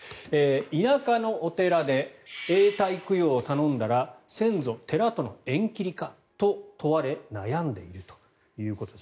田舎のお寺で永代供養を頼んだら先祖、寺との縁切りか？と問われ悩んでいるということです。